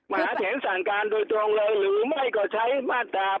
หาเสียงสั่งการโดยตรงเลยหรือไม่ก็ใช้มาตรา